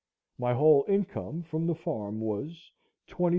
My whole income from the farm was $ 23.